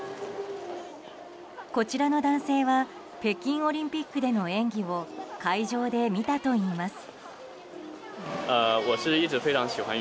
こちらの男性は北京オリンピックでの演技を会場で見たといいます。